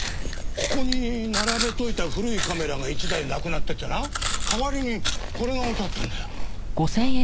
ここに並べといた古いカメラが１台なくなっててな代わりにこれが置いてあったんだよ。